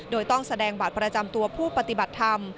โดยต้องแสดงบัตรประจำตัวผู้ปฏิบัติธรรม